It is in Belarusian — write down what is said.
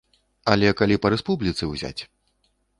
Але калі па рэспубліцы ўзяць!